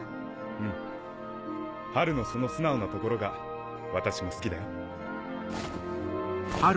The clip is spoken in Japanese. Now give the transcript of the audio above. フムハルのその素直なところが私も好きだよ。